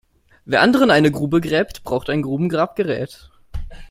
Wer anderen eine Grube gräbt, braucht ein Grubengrabgerät.